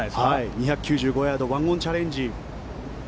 ２９５ヤード１オンチャレンジ。